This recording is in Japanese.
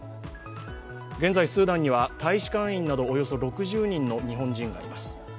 現在、スーダンには大使館員などおよそ６０人の日本人がいます。